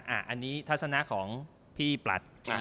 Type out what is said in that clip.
อันนี้ทัศนะของพี่ปลัด